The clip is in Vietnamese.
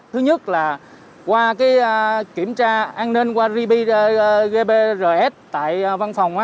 thứ nhất là qua cái kiểm tra an ninh qua gps tại văn phòng